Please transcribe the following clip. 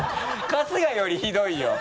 春日よりひどいよ。